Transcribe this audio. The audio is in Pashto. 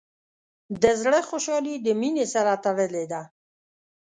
د زړۀ خوشحالي د مینې سره تړلې ده.